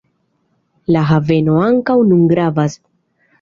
La haveno ankaŭ nun gravas.